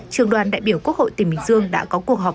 trường đoàn đại biểu quốc hội tỉnh bình dương đã có cuộc họp